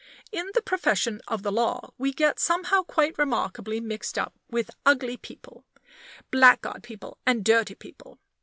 In the profession of the law we get somehow quite remarkably mixed up with ugly people, blackguard people, and dirty people.